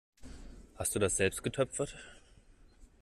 Hast du das selbst getöpfert?